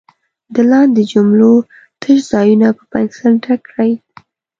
د لاندې جملو تش ځایونه په پنسل ډک کړئ.